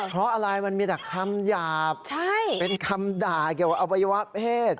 เพราะอะไรมันมีแต่คำหยาบเป็นคำด่าเกี่ยวกับอวัยวะเพศ